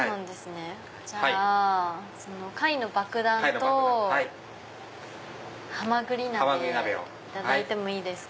じゃあ貝のばくだんとはまぐり鍋いただいてもいいですか。